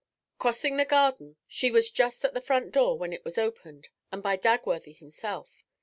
Crossing the garden, she was just at the front door, when it was opened, and by Dagworthy himself.